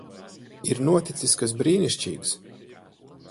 Ir noticis kas brīnišķīgs.